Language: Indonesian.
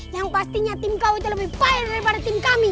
yang pastinya tim kau itu lebih fire daripada tim kami